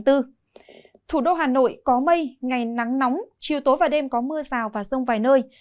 thủ đô hà nội có mây ngày nắng nóng chiều tối và đêm có mưa rào và rông vài nơi